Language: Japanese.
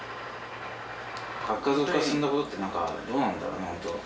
核家族化進んだことってなんかどうなんだろうねほんと。